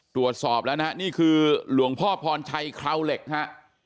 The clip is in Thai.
ตรวจสอบแล้วนะฮะนี่คือหลวงพ่อพรชัยคราวเหล็กฮะ